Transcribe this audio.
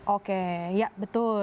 oke ya betul